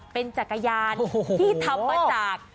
เป็นจักรยานที่ทำมาจาก